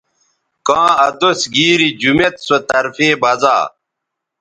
کاں ادوس گیری جمیت سو طرفے بزا